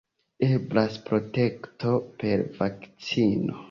Eblas protekto per vakcino.